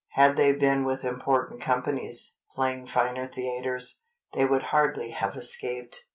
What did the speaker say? Had they been with important companies, playing finer theatres, they would hardly have escaped.